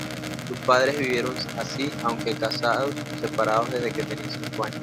Sus padres vivieron así, aunque casados, separados desde que tenía cinco años.